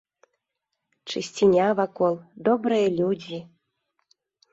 Чысціня вакол, добрыя людзі!